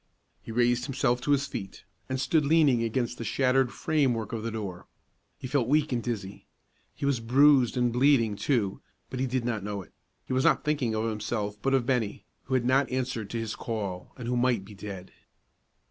He raised himself to his feet, and stood leaning against the shattered frame work of the door. He felt weak and dizzy. He was bruised and bleeding, too, but he did not know it; he was not thinking of himself, but of Bennie, who had not answered to his call, and who might be dead.